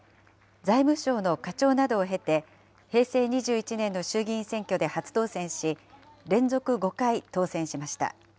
財務省の課長などを経て、平成２１年の衆議院選挙で初当選し、連続５回、当選しました。